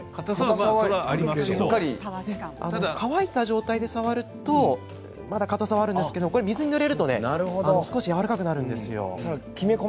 乾いた状態で触るとかたさがあるんですが水にぬれるとやわらかくなるんです。